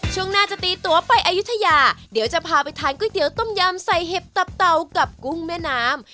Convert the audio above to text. ช่วงหน้าจะตีตัวไปอายุทยาเดี๋ยวจะพาไปทานก๋วยเตี๋ต้มยำใส่เห็บตับเตากับกุ้งแม่น้ำ